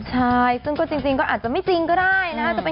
ใช่จริงอาจจะไม่จริงก็ได้นะ